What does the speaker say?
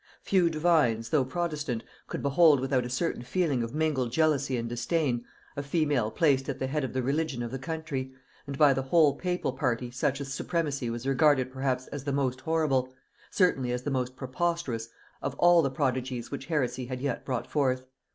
Few divines, though protestant, could behold without a certain feeling of mingled jealousy and disdain, a female placed at the head of the religion of the country, and by the whole papal party such a supremacy was regarded perhaps as the most horrible, certainly as the most preposterous, of all the prodigies which heresy had yet brought forth.